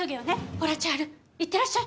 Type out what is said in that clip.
ほら千晴いってらっしゃい。